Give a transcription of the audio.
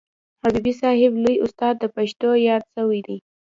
حبیبي صاحب لوی استاد د پښتو یاد سوی دئ.